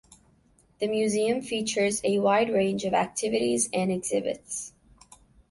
The museum features a wide range of activities and exhibits.